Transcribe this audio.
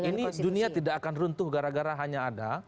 ini dunia tidak akan runtuh gara gara hanya ada